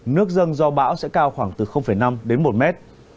nước dâng do bão sẽ cao khoảng từ năm đến một mét